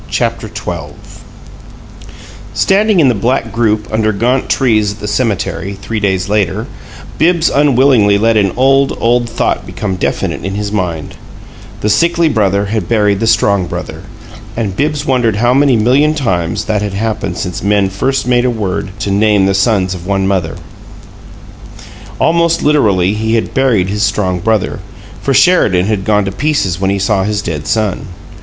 CHAPTER XII Standing in the black group under gaunt trees at the cemetery, three days later, Bibbs unwillingly let an old, old thought become definite in his mind: the sickly brother had buried the strong brother, and Bibbs wondered how many million times that had happened since men first made a word to name the sons of one mother. Almost literally he had buried his strong brother, for Sheridan had gone to pieces when he saw his dead son.